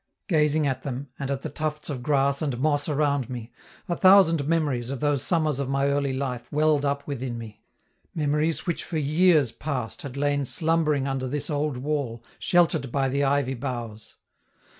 Gazing at them, and at the tufts of grass and moss around me, a thousand memories of those summers of my early life welled up within me, memories which for years past had lain slumbering under this old wall, sheltered by the ivy boughs.